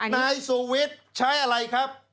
นายศูวิธใช้อะไรครับ